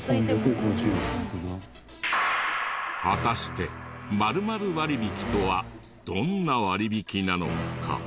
果たして○○割引とはどんな割引なのか？